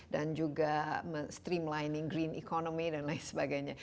dan juga streamlining green economy dan lain sebagainya